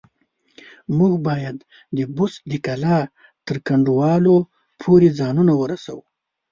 موږ بايد د بست د کلا تر کنډوالو پورې ځانونه ورسوو.